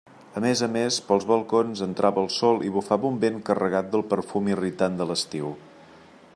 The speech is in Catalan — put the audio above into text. A més a més, pels balcons entrava el sol i bufava un vent carregat del perfum irritant de l'estiu.